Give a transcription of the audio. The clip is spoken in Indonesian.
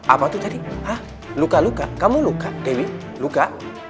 apa itu tadi ah luka luka kamu luka dewi luka